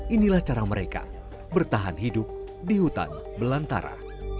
inilah cara mereka bertahan hidup di hutan belantara